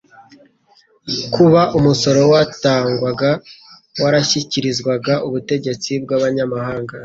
Kuba umusoro watangwaga warashyikirizwaga ubutegetsi bw'abanyamahanga,